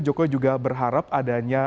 jokowi juga berharap adanya